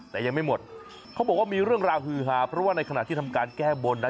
แต่ยังไม่หมดเขาบอกว่ามีเรื่องราวฮือหาเพราะว่าในขณะที่ทำการแก้บนนะ